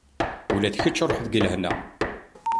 Ula d kečč ruḥ deg lehna.